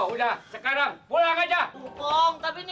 sudah sedih aja gimana